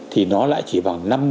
thì nó lại chỉ bằng năm mươi